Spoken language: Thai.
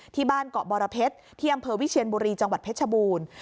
ที่บ้านเกาะบรเพชรที่อำเภอวิเชียนบุรีจังหวัดเพชรบูรณ์